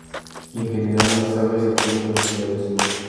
Y en general las aves se apoyan en los dedos.